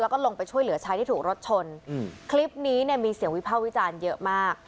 แล้วก็ลงไปช่วยเหลือชายที่ถูกรถชนคลิปนี้เนี่ยมีเสียงวิภาควิจารณ์เยอะมาก